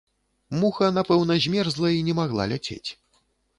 Муха, напэўна, змерзла і не магла ляцець.